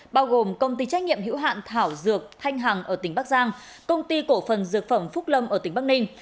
bao gồm công ty trách nhiệm hữu hạn thảo dược thanh hằng ở tỉnh bắc giang công ty cổ phần dược phẩm phúc lâm ở tỉnh bắc ninh